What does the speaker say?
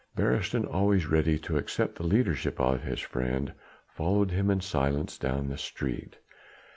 Beresteyn, always ready to accept the leadership of his friend, followed him in silence down the street.